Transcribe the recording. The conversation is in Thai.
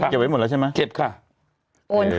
เก็บไว้หมดแล้วใช่ไหมครับเก็บค่ะโอนผ่านก่อน